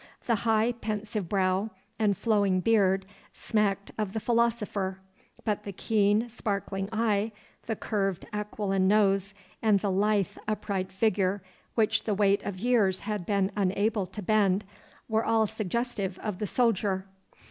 The high pensive brow and flowing beard smacked of the philosopher, but the keen sparkling eye, the curved aquiline nose, and the lithe upright figure which the weight of years had been unable to bend, were all suggestive of the soldier.